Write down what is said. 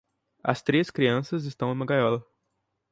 As três crianças estão em uma gaiola.